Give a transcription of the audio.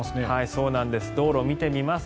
そうなんです。